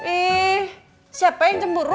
ih siapa yang cemburu